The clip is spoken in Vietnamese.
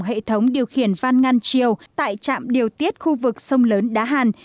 hệ thống điều khiển văn ngăn triều tại trạm điều tiết khu vực sông lớn đá hàn